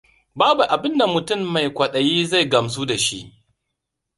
Babu abinda mutum mai kwaɗayi zai gamsu da shi.